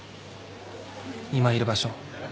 今いる場所